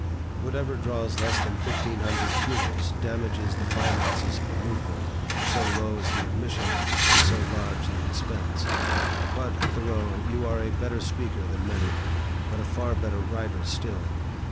Whatever draws less than fifteen hundred hearers damages the finances of the movement, so low is the admission, and so large the expense. But, Thoreau, you are a better speaker than many, but a far better writer still.